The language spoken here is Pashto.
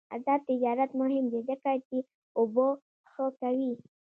آزاد تجارت مهم دی ځکه چې اوبه ښه کوي.